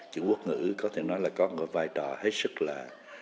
chữ quốc ngữ có thể nói là có một vai trò hết sức là